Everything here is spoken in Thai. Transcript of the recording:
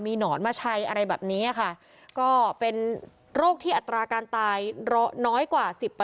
หนอนมาใช้อะไรแบบนี้ค่ะก็เป็นโรคที่อัตราการตายน้อยกว่า๑๐